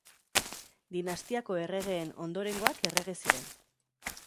Dinastiako erregeen ondorengoak errege ziren.